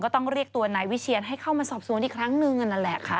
ต้องเรียกตัวนายวิเชียนให้เข้ามาสอบสวนอีกครั้งหนึ่งนั่นแหละค่ะ